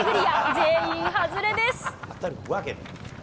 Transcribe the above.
全員外れです。